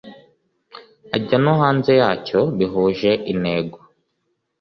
ajya no hanze yacyo bihuje intego